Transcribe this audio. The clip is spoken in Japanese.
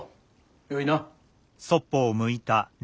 よいな？